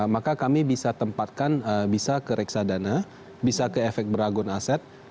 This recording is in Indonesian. maka kami bisa tempatkan bisa ke reksadana bisa ke efek beragun aset